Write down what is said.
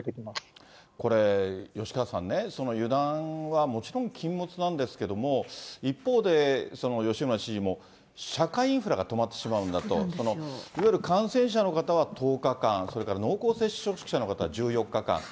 これ、吉川さんね、油断はもちろん禁物なんですけども、一方で、吉村知事も社会インフラが止まってしまうんだと。いわゆる感染者の方は１０日間、それから濃厚接触者の方は１４日間。